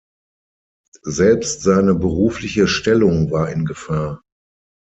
Selbst seine berufliche Stellung war in Gefahr.